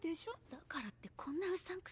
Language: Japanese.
だからってこんなうさんくさい。